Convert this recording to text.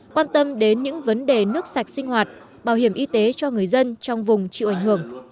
quan tâm đến những vấn đề nước sạch sinh hoạt bảo hiểm y tế cho người dân trong vùng chịu ảnh hưởng